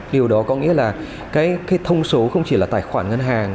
điều đó có nghĩa là cái thông số không chỉ là tài khoản ngân hàng